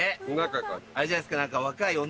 あれじゃないですか。